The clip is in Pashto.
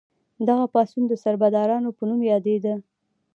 دغه پاڅون د سربدارانو په نوم یادیده.